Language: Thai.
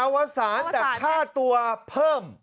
อวสารแต่ฆ่าตัวเพิ่ม